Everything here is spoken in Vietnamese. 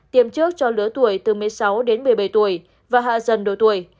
tiêm trước cho lứa tuổi từ một mươi sáu đến một mươi bảy tuổi và hạ dần độ tuổi